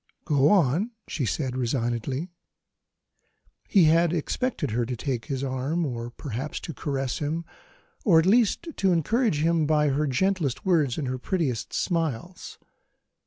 "Go on," she said resignedly. He had expected her to take his arm, or perhaps to caress him, or at least to encourage him by her gentlest words and her prettiest smiles.